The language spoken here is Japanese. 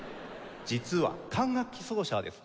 実は管楽器奏者はですね